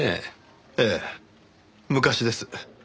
ええ昔です。